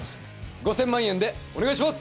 ５０００万円でお願いします